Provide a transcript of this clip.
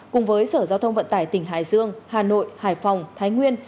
cùng với sở giao thông vận tải tỉnh hải dương hà nội hải phòng thái nguyên